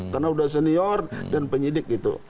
karena sudah senior dan penyidik gitu